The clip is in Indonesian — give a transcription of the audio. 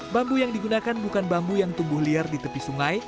bambu yang digunakan bukan bambu yang tumbuh liar di tepi sungai